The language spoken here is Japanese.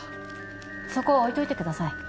そこ置いといてください